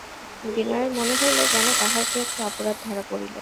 বিনয়ের মনে হইল যেন তাহার কী একটা অপরাধ ধরা পড়িল।